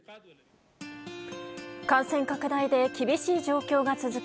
感染拡大で厳しい状況が続く